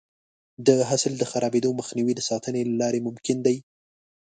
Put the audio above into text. د حاصل د خرابېدو مخنیوی د ساتنې له لارې ممکن دی.